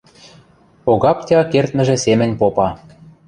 Огаптя кердмӹжӹ семӹнь попа: